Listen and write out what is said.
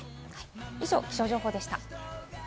以上、気象情報でした。